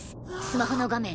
スマホの画面